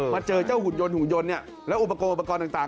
เจอเจ้าหุ่นยนหุ่นยนต์และอุปกรณ์อุปกรณ์ต่าง